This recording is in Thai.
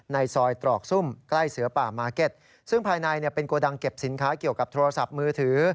ในซอยตรอกซุ่มใกล้เสือป่ามาร์เก็ตซึ่งภายในเป็นโกดังเก็บสินค้าเกี่ยวกับโทรศัพท์มือถือ